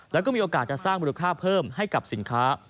แล้วก็มีโอกาสจะสร้างมูลค่าเพิ่มให้กับสินค้า